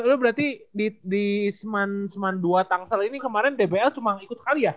lu berarti di seman seman dua tangsal ini kemarin dbl cuma ikut kali ya